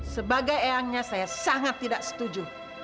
sebagai eyangnya saya sangat tidak setuju